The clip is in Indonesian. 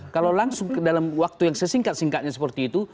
kalau langsung dalam waktu yang sesingkat singkatnya seperti itu